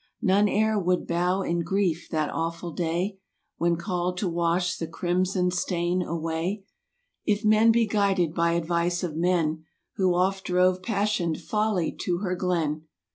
None e'er would bow in grief that awful day When called to wash the crimson stain away If men be guided by advice of men Who oft drove passioned Folly to her glen.